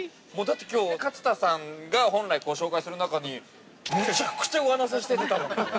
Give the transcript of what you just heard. ◆きょうは勝田さんが、本来紹介する中に、むちゃむちゃ上乗せしてきたもん。